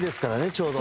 ちょうど。